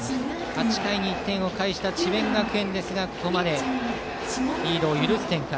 ８回１点を返した智弁学園ですがここまでリードを許す展開。